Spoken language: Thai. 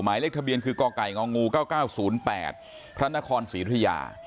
หมายเลขทะเบียนคือกอกไก่งองงู๙๙๐๘พระนครศรีธริยา